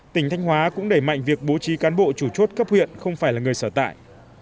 tỉnh thanh hóa cũng đẩy mạnh việc bố trí cán bộ chủ chốt cấp huyện không phải là người sở tại